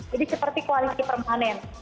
jadi seperti koalisi permanen